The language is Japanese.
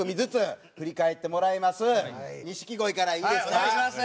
はいお願いします。